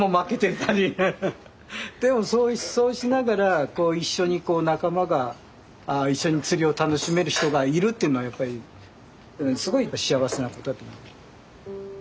でもそうしながら一緒に仲間が一緒に釣りを楽しめる人がいるというのはやっぱりすごい幸せなことだと思う。